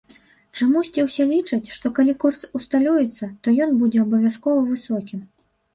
Чамусьці ўсе лічаць, што калі курс усталюецца, то ён будзе абавязкова высокім.